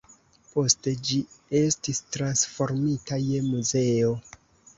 Poste ĝi estis transformita je muzeo.